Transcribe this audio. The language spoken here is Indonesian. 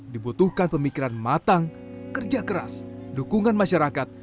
dibutuhkan pemikiran matang kerja keras dukungan masyarakat